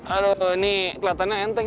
aduh ini kelihatannya enteng